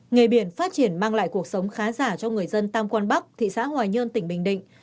nghề biển phát triển mang lại cuộc sống khá giả cho người dân tam quang bắc thị xã hòa nhơn tỉnh bình định